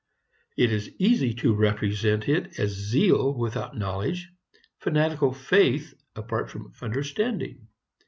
It is easy to represent it as zeal without knowledge, fanatical faith apart from understanding.